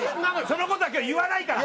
その事は今日言わないから！